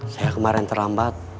saya kemarin terlambat